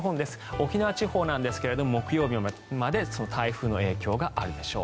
沖縄地方なんですが木曜日まで台風の影響があるでしょう。